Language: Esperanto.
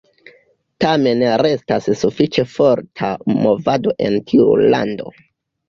Tamen restas sufiĉe forta movado en tiu lando.